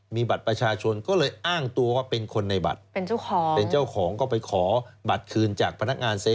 มีบัตรประชาชนก็เลยอ้างตัวว่าเป็นคนในบัตรเป็นเจ้าของเป็นเจ้าของก็ไปขอบัตรคืนจากพนักงานเซฟ